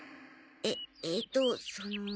ええーっとその。